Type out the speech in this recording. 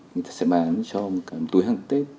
người ta sẽ bán cho một cái túi hàng tết